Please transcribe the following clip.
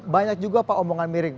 banyak juga pak omongan miring